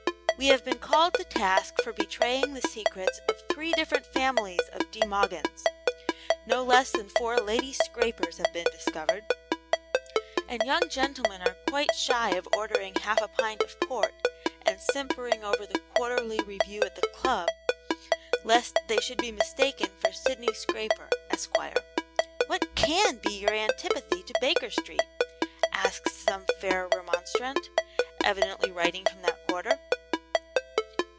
We have been called to task for betraying the secrets of three different families of De Mogyns; no less than four Lady Scrapers have been discovered; and young gentlemen are quite shy of ordering half a pint of port and simpering over the QUARTERLY REVIEW at the Club, lest they should be mistaken for Sydney Scraper, Esq. 'What CAN be your antipathy to Baker Street?' asks some fair remonstrant, evidently writing from that quarter.